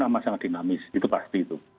amat sangat dinamis itu pasti itu